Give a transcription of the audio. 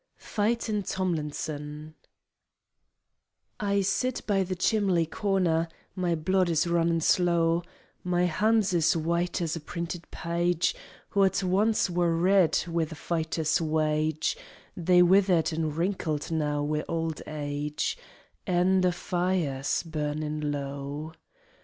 Fightin' Tomlinson I sit by the chimbley corner, My blood is runnin' slow, My hands is white as a printed paage, Wot once wor red wi' the fighter's waage; They're withered an' wrinkled now wi' old aage; An' the fire's burnin' low.